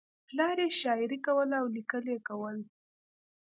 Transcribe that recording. پلار یې شاعري کوله او لیکل یې کول